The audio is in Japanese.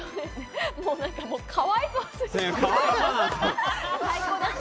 もう、かわいそうすぎて。